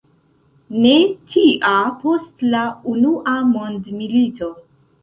Ne tia post la unua mondmilito.